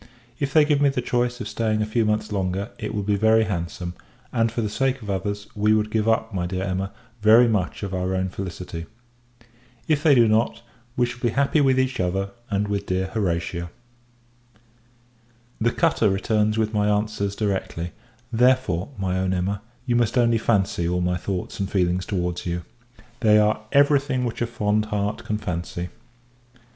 If they give me the choice of staying a few months longer, it will be very handsome; and, for the sake of others, we would give up, my dear Emma, very much of our own felicity. If they do not, we shall be happy with each other, and with dear Horatia. The cutter returns with my answers directly; therefore, my own Emma, you must only fancy all my thoughts and feelings towards you. They are every thing which a fond heart can fancy.